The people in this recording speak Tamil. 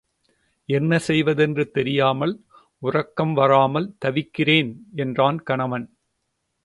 என்ன செய்வதென்று தெரியாமல், உறக்கம் வராமல் தவிக்கிறேன் என்றான் கணவன்.